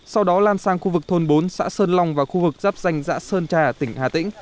sau đó lan sang khu vực thôn bốn xã sơn long và khu vực dắp danh dã sơn trà tỉnh hà tĩnh